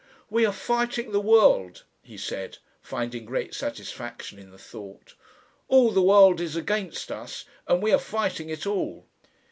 "We are Fighting the World," he said, finding great satisfaction in the thought. "All the world is against us and we are fighting it all."